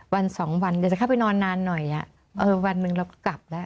วันสองวันเดี๋ยวจะเข้าไปนอนนานหน่อยวันหนึ่งเรากลับแล้ว